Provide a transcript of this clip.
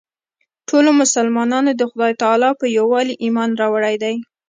ټولو مسلمانانو د خدای تعلی په یووالي ایمان راوړی دی.